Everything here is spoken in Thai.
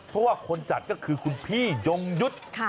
เพราะว่าคนจัดก็คือคุณพี่ยงยุทธ์